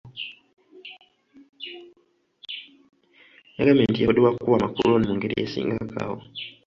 Yagambye nti yabadde wa kukuba Macron mu ngeri esingako awo.